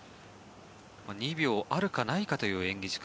２秒あるかないかという演技時間。